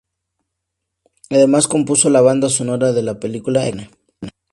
Además compuso la banda sonora de la película ecuatoriana.